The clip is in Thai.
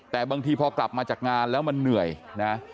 แต่บางทีพอกลับมาจากงานแล้วมันเหนื่อยนะ